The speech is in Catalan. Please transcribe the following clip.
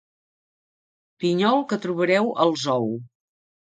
Pinyol que trobareu al zoo.